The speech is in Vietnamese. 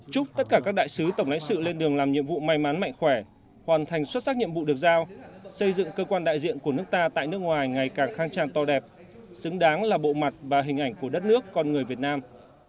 chúc tất cả các đại sứ tổng lãnh sự lên đường làm nhiệm vụ may mắn mạnh khỏe hoàn thành xuất sắc nhiệm vụ được giao xây dựng cơ quan đại diện của nước ta tại nước ngoài ngày càng khang trang to đẹp xứng đáng là bộ mặt và hình ảnh của đất nước con người việt nam